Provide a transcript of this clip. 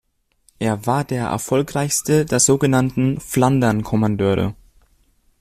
Er war der erfolgreichste der sogenannten „Flandern-Kommandeure“.